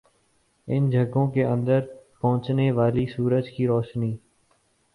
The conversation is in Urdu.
ان جگہوں کے اندر پہنچنے والی سورج کی روشنی